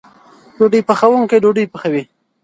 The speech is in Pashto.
ډوډۍ پخوونکی ډوډۍ پخوي.